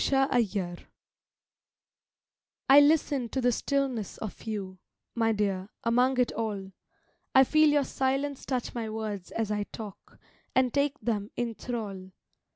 LISTENING I LISTEN to the stillness of you, My dear, among it all; I feel your silence touch my words as I talk, And take them in thrall.